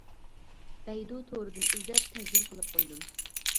بەيدۇ تورىدىن ئىزدەپ تەرجىمە قىلىپ قويدۇم.